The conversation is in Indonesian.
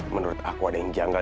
menurut aku ada yang janggal